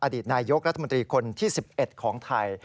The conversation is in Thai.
อดีตนายกรัฐมนตรีคนที่๑๑ของไทย